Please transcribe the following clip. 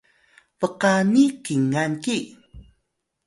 bqani kingan ki